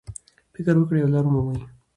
فکر وکړئ او لاره ومومئ.